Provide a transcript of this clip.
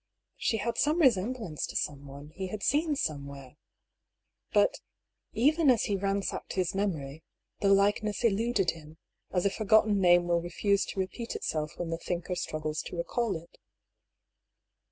She had some resemblance to someone he had seen somewhere. But, even as he ran sacked his memory, the likeness eluded him, as a forgot ten name will refuse to repeat itself when the thinker struggles to recall it.